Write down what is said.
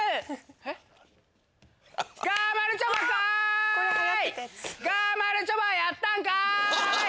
えっ？がまるちょばやったんかーい！